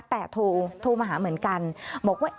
แต่โทรมาหาเหมือนกันบอกว่า